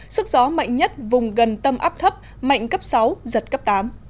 sức gió mạnh nhất vùng gần tâm áp thấp mạnh cấp sáu giật cấp tám